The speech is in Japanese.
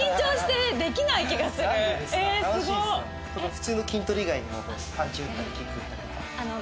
普通の筋トレ以外にもパンチ打ったりキック打ったりとか。